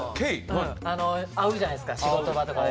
会うじゃないですか仕事場とかで。